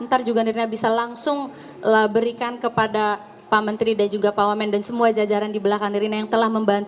ntar juga nirna bisa langsung berikan kepada pak menteri dan juga pak wamen dan semua jajaran di belakang nirina yang telah membantu